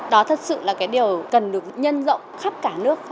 đó thật sự là cái điều cần được nhân rộng khắp cả nước